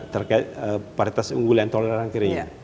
terkait paritas unggulan toleran kering